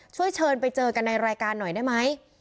ช่วยเชิญไปเจอกันในรายการหน่อยได้ไหม